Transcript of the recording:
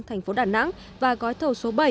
thành phố đà nẵng và gói thầu số bảy